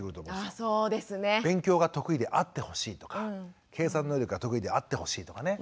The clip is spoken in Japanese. あそうですね。勉強が得意であってほしいとか。計算能力が得意であってほしいとかね